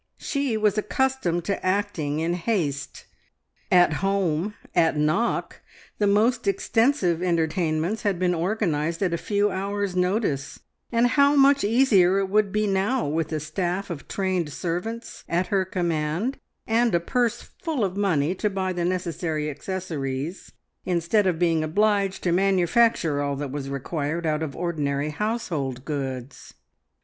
She was accustomed to acting in haste; at home, at Knock, the most extensive entertainments had been organised at a few hours' notice, and how much easier it would be now with a staff of trained servants at her command and a purse full of money to buy the necessary accessories, instead of being obliged to manufacture all that was required out of ordinary household goods.